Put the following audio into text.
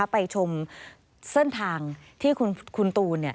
ไปชมเส้นทางที่คุณตูน